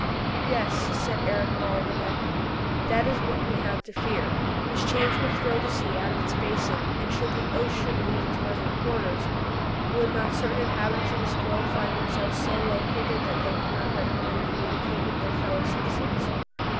"Yes," said Eric Baldenak, "that is what we have to fear; this change will throw the sea out of its basin, and should the ocean leave its present quarters, would not certain inhabitants of this globe find themselves so located that they could not readily communicate with their fellow citizens?"